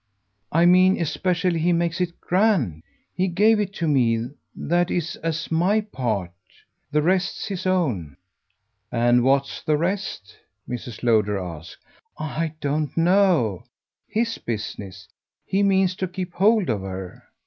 "I mean especially he makes it grand. He gave it to me, that is, as MY part. The rest's his own." "And what's the rest?" Mrs. Lowder asked. "I don't know. HIS business. He means to keep hold of her."